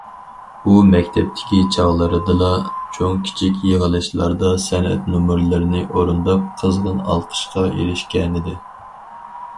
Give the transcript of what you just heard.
ئۇ مەكتەپتىكى چاغلىرىدىلا چوڭ- كىچىك يىغىلىشلاردا سەنئەت نومۇرلىرىنى ئورۇنداپ قىزغىن ئالقىشقا ئېرىشكەنىدى.